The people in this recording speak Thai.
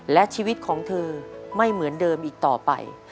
และชีวิตของเธอไม่เหมือนเดิมอีกต่อไป